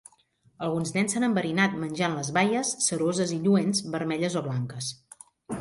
Alguns nens s'han enverinat menjant les baies ceroses i lluents vermelles o blanques.